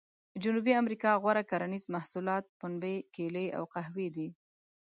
جنوبي امریکا غوره کرنیز محصولات پنبې، کېلې او قهوې دي.